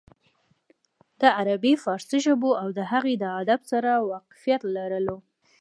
د عربي فارسي ژبو او د هغې د ادب سره واقفيت لرلو